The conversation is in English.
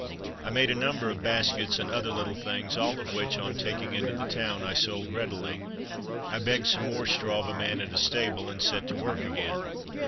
I made a number of baskets and other little things, all of which on taking into the town I sold readily. I begged some more straw of a man at a stable, and set to work again.